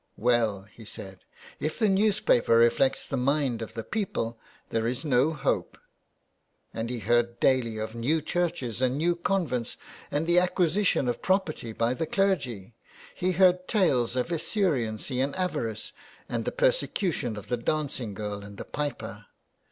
" Well," he said, " if the newspaper reflects the mind of the people there is no hope." And he heard daily of new churches and new convents and the aquisition of property by the clergy. He heard tales of esuriency and avarice, and the persecution of the dancing girl and the piper.